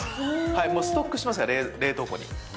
もうストックしてます、冷凍庫に。